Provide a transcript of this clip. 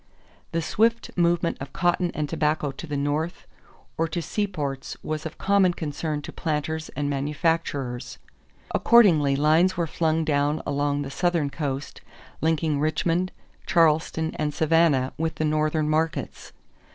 The swift movement of cotton and tobacco to the North or to seaports was of common concern to planters and manufacturers. Accordingly lines were flung down along the Southern coast, linking Richmond, Charleston, and Savannah with the Northern markets.